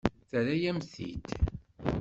Terra-yam-t-id.